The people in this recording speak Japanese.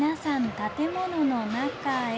建物の中へ。